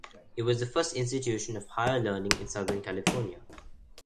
It was the first institution of higher learning in Southern California.